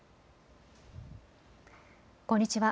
こんにちは。